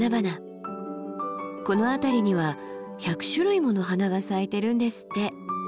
この辺りには１００種類もの花が咲いてるんですって。